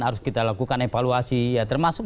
harus kita lakukan evaluasi ya termasuk